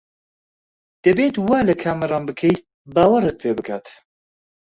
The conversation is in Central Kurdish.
دەبێت وا لە کامەران بکەیت باوەڕت پێ بکات.